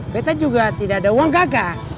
betta juga tidak ada uang kakak